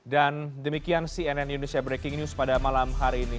dan demikian cnn indonesia breaking news pada malam hari ini